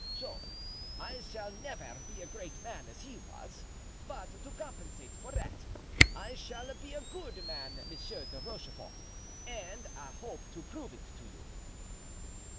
So I shall never be a great man, as he was, but to compensate for that, I shall be a good man, Monsieur de Rochefort, and I hope to prove it to you."